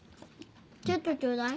ちょっとちょうだい。